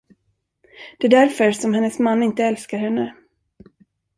Det är därför som hennes man inte älskar henne.